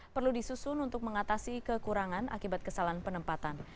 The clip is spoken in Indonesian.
perlu disusun untuk mengatasi kekurangan akibat kesalahan penempatan